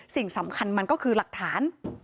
สิ่งสำคัญมันก็คือหลักฐาน